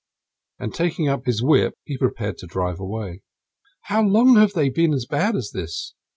And, taking up his whip, he prepared to drive away. "How long have they been as bad as this?"